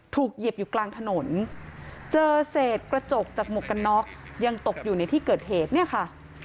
เหยียบอยู่กลางถนนเจอเศษกระจกจากหมวกกันน็อกยังตกอยู่ในที่เกิดเหตุเนี่ยค่ะ